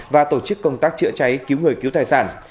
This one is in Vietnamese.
và tổ chức công tác chữa cháy cứu người cứu tài sản